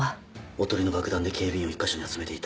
おとりの爆弾で警備員を１か所に集めていた。